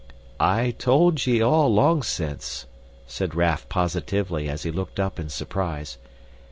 "I told ye all, long since," said Raff positively as he looked up in surprise.